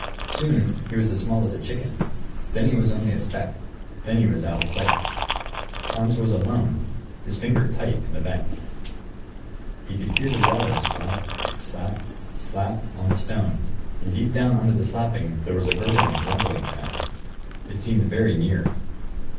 Soon he was as small as a chicken; then he was only a speck; then he was out of sight. Hans was alone, his finger tight in the bank. He could hear the water, slap, slap, slap, on the stones; and deep down under the slapping was a gurgling, rumbling sound. It seemed very near.